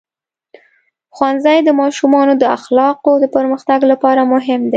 ښوونځی د ماشومانو د اخلاقو د پرمختګ لپاره مهم دی.